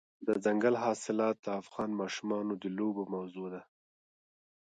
دځنګل حاصلات د افغان ماشومانو د لوبو موضوع ده.